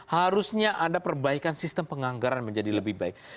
harusnya ada perbaikan sistem penganggaran menjadi lebih baik